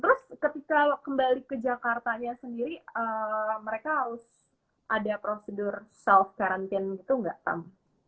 terus ketika kembali ke jakartanya sendiri mereka harus ada prosedur self quarantine gitu nggak tam